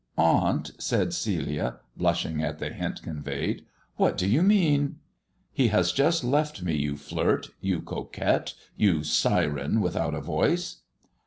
" Aunt," said Celia, blushing at the hint convey* " what do you mean ?"" He has just left me, you flirt — you coquette — you sir without a voice."